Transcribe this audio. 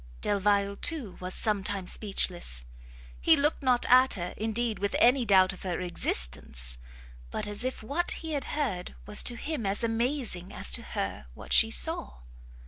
Delvile, too, was some time speechless; he looked not at her, indeed, with any doubt of her existence, but as if what he had heard was to him as amazing as to her what she saw.